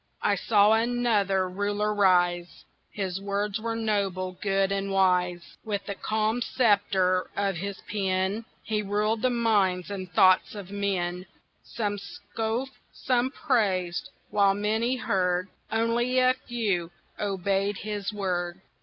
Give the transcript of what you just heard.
I saw another Ruler rise His words were noble, good, and wise; With the calm sceptre of his pen He ruled the minds and thoughts of men; Some scoffed, some praised while many heard, Only a few obeyed his word.